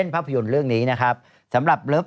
โอ้แซ่บมาก